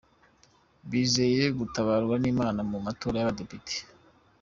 Bizeye gutabarwa n’Imana mu matora y’abadepite